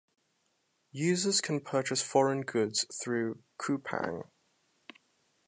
Users can purchase foreign goods through Coupang.